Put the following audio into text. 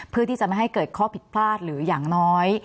เพื่อที่จะไม่ให้เกิดข้อผิดพลาดหรืออย่างน้อย